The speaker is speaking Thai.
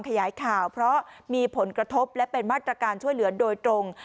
ขยายข่าวเพราะมีผลกระทบและเป็นมาตรการช่วยเหลือโดยตรง